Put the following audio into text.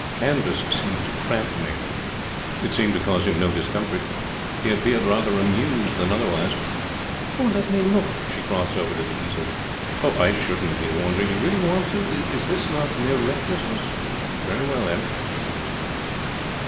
Canvas seems to cramp me.' It seemed to cause him no discomfort. He appeared rather amused than otherwise. 'Let me look.' She crossed over to the easel. 'I shouldn't,' he warned her. 'You really want to? Is this not mere recklessness? Very well, then.'